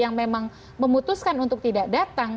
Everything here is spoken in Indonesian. yang memang memutuskan untuk tidak datang